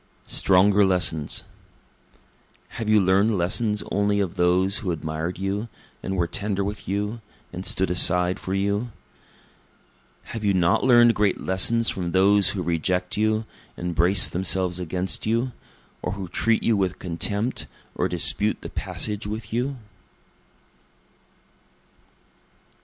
Stronger Lessons Have you learn'd lessons only of those who admired you, and were tender with you, and stood aside for you? Have you not learn'd great lessons from those who reject you, and brace themselves against you? or who treat you with contempt, or dispute the passage with you?